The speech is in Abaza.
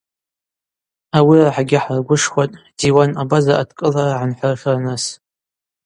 Ауи рахӏагьи хӏаргвышхватӏ Диуан Абаза адкӏылара гӏанхӏыршарныс.